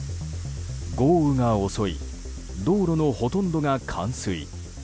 豪雨が襲い道路のほとんどが冠水。